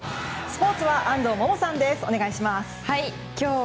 スポーツは安藤萌々さんです。